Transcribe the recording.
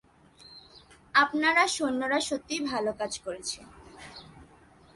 আপনার সৈন্যরা সত্যিই ভালো কাজ করছে।